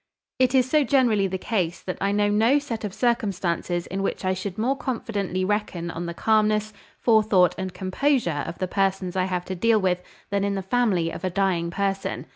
"It is so generally the case that I know no set of circumstances in which I should more confidently reckon on the calmness, forethought, and composure of the persons I have to deal with than in the family of a dying person.